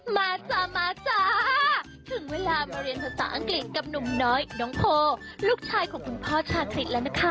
มาจ้ามาจ้าถึงเวลามาเรียนภาษาอังกฤษกับหนุ่มน้อยน้องโพลูกชายของคุณพ่อชาคริสแล้วนะคะ